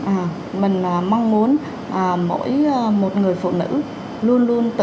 à mình mong muốn mỗi một người phụ nữ luôn luôn tự